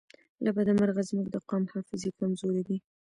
له بده مرغه زموږ د قام حافظې کمزورې دي